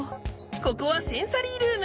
ここはセンサリールーム。